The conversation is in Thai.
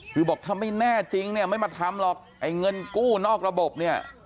คือบอกถ้าไม่แน่จริงเนี่ยไม่มาทำหรอกไอ้เงินกู้นอกระบบเนี่ย